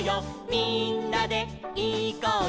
みんなでいこうよ」